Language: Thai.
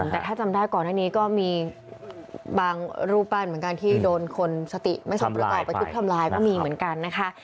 แต่ถ้าจำได้ก่อนหน้านี้ก็มีบางรูปปั้นเหมือนกันที่โดนคนสติไม่สมประกอบไปทุบทำลายก็มีเหมือนกันนะคะ